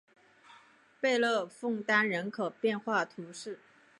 贝勒枫丹人口变化图示